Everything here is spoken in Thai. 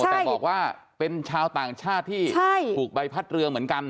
แต่บอกว่าเป็นชาวต่างชาติที่ถูกใบพัดเรือเหมือนกัน